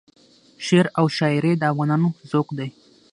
شعر او شایري د افغانانو ذوق دی.